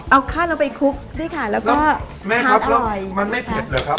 เอาข้าวเราไปคุกได้ค่ะแล้วก็มันไม่เผ็ดเหรอครับ